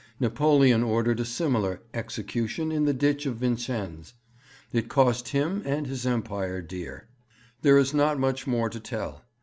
Napoleon ordered a similar "execution" in the ditch of Vincennes. It cost him and his Empire dear. 'There is not much more to tell.